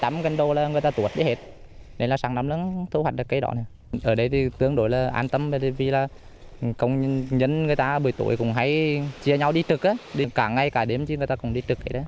một thời gian dài